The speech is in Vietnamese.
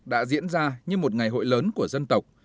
đã diễn ra như một ngày hội lớn của dân tộc